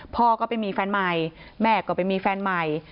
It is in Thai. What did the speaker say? พ่อก็ไปมีแฟนใหม่แม่ก็ไปมีแฟนใหม่